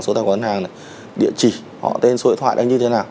số tài khoản ngân hàng địa chỉ họ tên số hệ thoại hay như thế nào